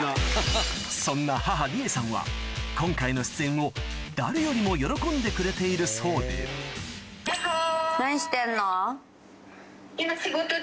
そんな母りえさんは今回の出演を誰よりも喜んでくれているそうでアハハハ。